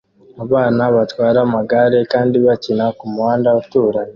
Abana batwara amagare kandi bakina kumuhanda uturanye